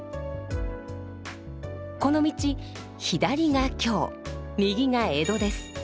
この道左が京右が江戸です。